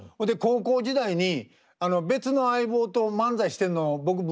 で高校時代に別の相棒と漫才してんの僕